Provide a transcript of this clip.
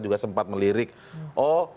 juga sempat melirik oh